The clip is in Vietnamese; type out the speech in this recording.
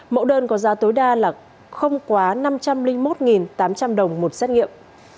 bẫu đơn có giá tối đa không quá năm trăm linh một tám trăm linh đồng một xét nghiệm